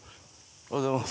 おはようございます。